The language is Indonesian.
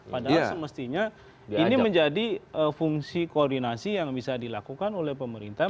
padahal semestinya ini menjadi fungsi koordinasi yang bisa dilakukan oleh pemerintah